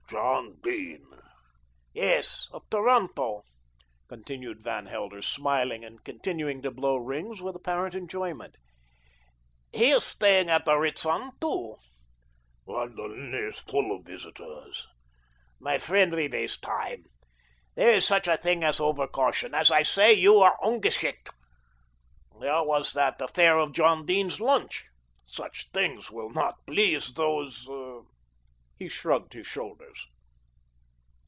"John Dene!" "Yes, of Toronto," continued Van Helder, smiling and continuing to blow rings with apparent enjoyment. "He is staying at the Ritzton, too." "London is full of visitors." "My friend, we waste time. There is such a thing as over caution. As I say you are ungeschickt. There was that affair of John Dene's lunch. Such things will not please those " He shrugged his shoulders.